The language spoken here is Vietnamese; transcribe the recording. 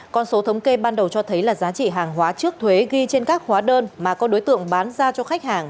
con số thống kê ban đầu cho thấy là giá trị hàng hóa trước thuế ghi trên các hóa đơn mà các đối tượng bán ra cho khách hàng